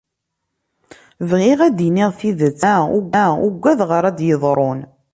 Bɣiɣ ad d-iniɣ tidet, meɛna uggadeɣ ara d-yeḍrun